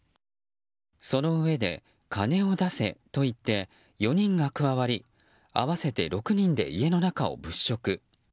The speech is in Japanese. そのうえで、金を出せと言って４人が加わり合わせて６人で家の中を物色。